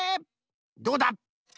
どうだ？